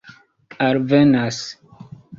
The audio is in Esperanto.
alvenas